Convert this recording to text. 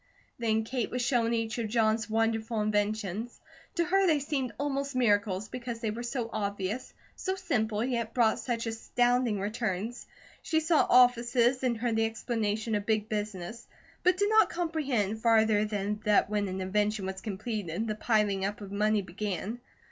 Then Kate was shown each of John's wonderful inventions. To her they seemed almost miracles, because they were so obvious, so simple, yet brought such astounding returns. She saw offices and heard the explanation of big business; but did not comprehend, farther than that when an invention was completed, the piling up of money began.